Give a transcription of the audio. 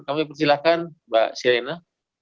kami persilahkan mbak sirena